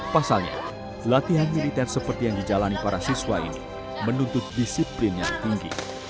pasalnya latihan militer seperti yang dijalani para siswa ini menuntut disiplin yang tinggi